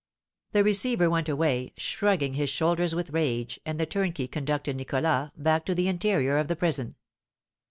The receiver went away, shrugging his shoulders with rage, and the turnkey conducted Nicholas back to the interior of the prison.